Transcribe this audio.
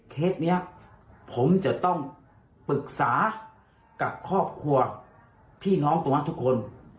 เคสนี้ผมจะต้องปรึกษากับครอบครัวพี่น้องตรงนั้นทุกคน